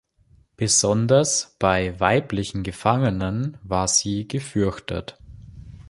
Besonders bei weiblichen Gefangenen war sie gefürchtet.